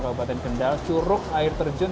kabupaten kendal curug air terjun